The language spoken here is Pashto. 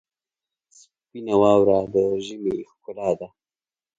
سپینه واوره د ژمي ښکلا ده.